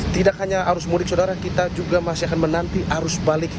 tidak hanya arus mudik saudara kita juga masih akan menanti arus balik